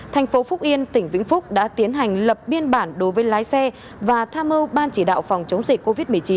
thành phố phúc yên tỉnh vĩnh phúc đã tiến hành lập biên bản đối với lái xe và tham mưu ban chỉ đạo phòng chống dịch covid một mươi chín